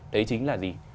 đấy chính là gì